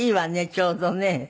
ちょうどね。